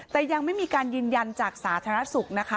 แต่ยังไม่มีการยืนยันจากสาธารณสุขนะคะ